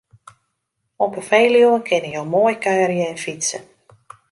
Op 'e Feluwe kinne jo moai kuierje en fytse.